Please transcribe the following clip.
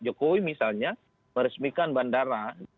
jokowi misalnya meresmikan bandara